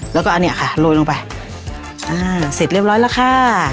แล้วก็อันเนี้ยค่ะโรยลงไปอ่าเสร็จเรียบร้อยแล้วค่ะ